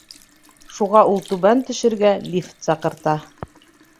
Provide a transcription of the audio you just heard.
Шуға ул түбән төшөргә Лифт саҡырта.